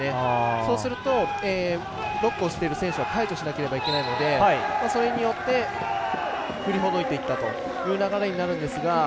そうするとロックをしている選手解除しなきゃいけないのでそれによって振りほどいていったという流れになるんですが。